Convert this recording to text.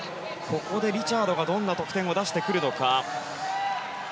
ここでリチャードがどんな得点を出してくるのか。